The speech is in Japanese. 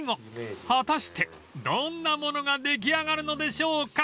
［果たしてどんなものが出来上がるのでしょうか？］